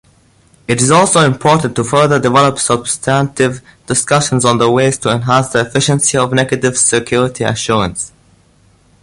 It is also important to further develop substantive discussions on the ways to enhance the efficiency of negative security assurance.